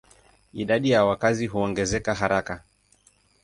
Idadi ya wakazi huongezeka haraka.